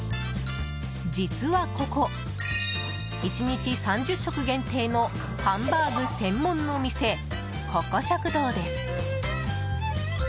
実はここ、１日３０食限定のハンバーグ専門の店小古食堂です。